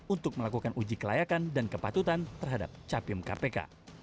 untuk melakukan uji kelayakan dan kepatutan terhadap capim kpk